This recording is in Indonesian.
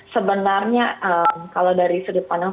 sebenarnya kalau dari sudut pandang